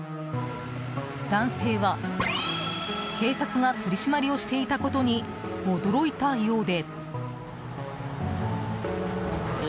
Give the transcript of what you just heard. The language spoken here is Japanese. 男性は警察が取り締まりをしていたことに驚いたようで。